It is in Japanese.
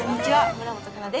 村元哉中です。